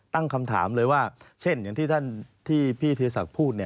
ตั้งคำถามเลยว่าเช่นอย่างที่พี่เทียสักพูด